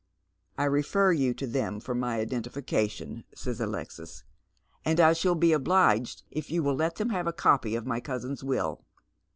" I refer you to them for my identification," says Alexis, " and I shall be obliged if you will let them have a copy of my cousin's will.